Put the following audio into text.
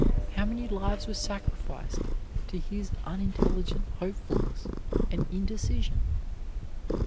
How many lives were sacrificed to his unintelligent hopefulness and indecision!